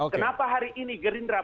kenapa hari ini gerindra bang taufik